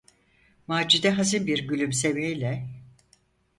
Macide hazin bir gülümsemeyle: